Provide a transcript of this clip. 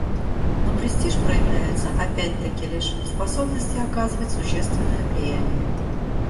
Но престиж проявляется опять-таки лишь в способности оказывать существенное влияние.